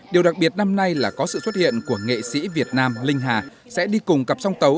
điều đặc biệt năm nay là có sự xuất hiện của nghệ sĩ việt nam linh hà sẽ đi cùng cặp song tấu